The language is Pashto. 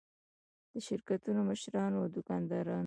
د شرکتونو مشرانو او دوکاندارانو.